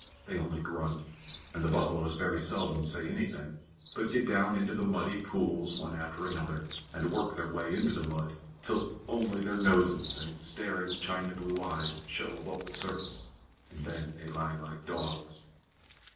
They only grunt, and the buffaloes very seldom say anything, but get down into the muddy pools one after another, and work their way into the mud till only their noses and staring china blue eyes show above the surface, and then they lie like logs.